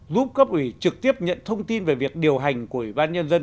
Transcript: giúp cấp ủy trực tiếp nhận thông tin về việc điều hành của ủy ban nhân dân